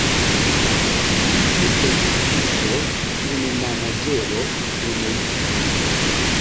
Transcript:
Vidu produktisto, turnemanaĝero, turneisto.